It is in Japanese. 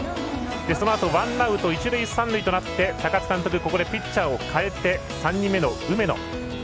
そのあとワンアウト、一塁三塁となって高津監督、ここでピッチャーを代えて３人目の梅野。